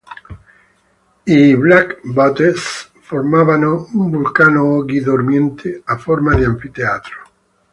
I Black Buttes formavano un vulcano oggi dormiente a forma di anfiteatro.